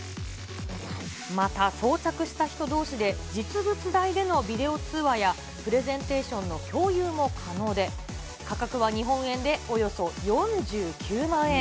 また、装着した人どうしで実物大でのビデオ通話や、プレゼンテーションの共有も可能で、価格は日本円でおよそ４９万円。